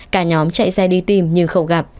cả nhóm chạy xe đi tìm nhưng không gặp